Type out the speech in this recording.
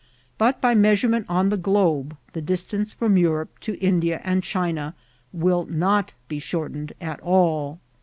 but by measurement on the globe the distance from Europe to India and China will not be shortened at all.